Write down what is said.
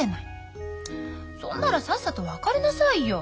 そんならさっさと別れなさいよ。